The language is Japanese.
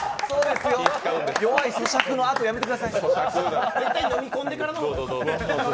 弱い「そしゃく！」のあと、やめてください。